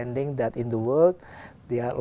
chính là happy new year